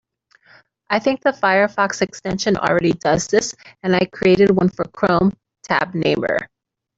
I think the Firefox extension already does this, and I created one for Chrome, Tab Namer.